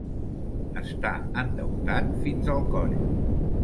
Estar endeutat fins al coll.